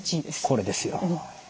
これですよ。